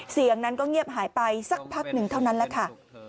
เสียงนั้นก็เงียบหายไปสักพักหนึ่งเท่านั้นแหละค่ะ